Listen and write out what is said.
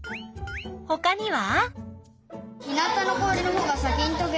ほかには？